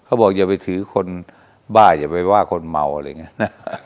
อย่าไปถือคนบ้าอย่าไปว่าคนเมาอะไรอย่างนี้นะ